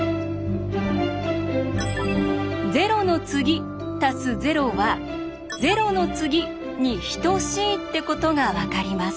「０の次＋０」は「０の次」に等しいってことが分かります。